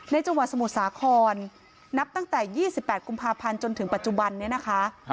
จังหวัดสมุทรสาครนับตั้งแต่๒๘กุมภาพันธ์จนถึงปัจจุบันนี้นะคะ